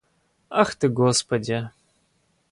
Ах ты, господи!